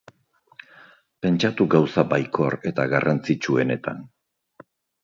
Pentsatu gauza baikor eta garrantzitsuenetan.